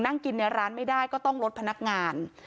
นั่งกินในร้านไม่ได้ก็ต้องลดพนักงาน